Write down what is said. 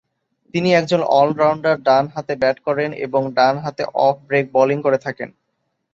তিনি একজন অল-রাউন্ডার, ডান হাতে ব্যাট করেন এবং ডান-হাতে অফ ব্রেক বোলিং করে থাকেন।